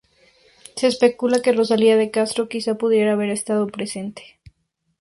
Se especula que Rosalía de Castro quizá pudiera haber estado presente.